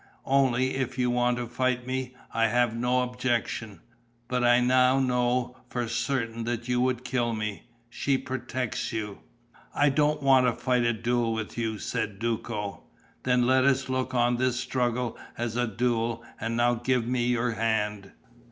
Only, if you want to fight me, I have no objection. But I now know for certain that you would kill me. She protects you." "I don't want to fight a duel with you," said Duco. "Then let us look on this struggle as a duel and now give me your hand."